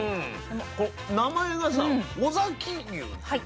名前がさ尾崎牛？